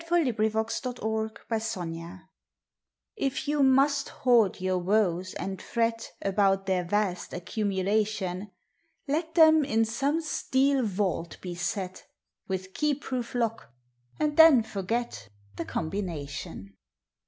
August Thirteenth LOCKED IN TF you must hoard your woes and fret About their vast accumulation, Let them in some steel vault be set With key proof lock, and then forget The combination.